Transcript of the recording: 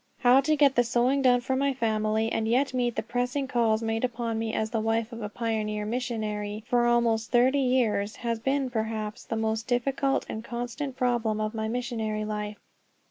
How to get the sewing done for my family and yet meet the pressing calls made upon me as the wife of a pioneer missionary, for almost thirty years has been perhaps the most difficult and constant problem of my missionary life.